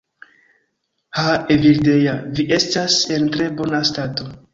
Ha! Evildea, vi estas en tre bona stato.